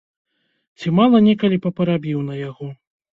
Ці мала некалі папарабіў на яго?